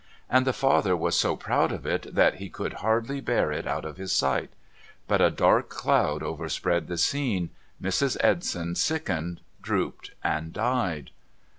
And the father was so proud of it that he could hardly bear it out of his sight. But a dark cloud overspread the scene, Mrs. Edson sickened, drooped, and died.'